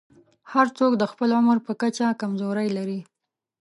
هر څوک د خپل عمر په کچه کمزورۍ لري.